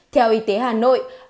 theo y tế hà nội